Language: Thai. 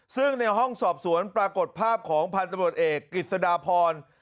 ซึ่งในห้องสอบสวนปรากฏภาพของพันธบรวจเอกกิจสดาพร